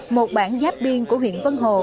một bảng giáp biên của huyện vân hồ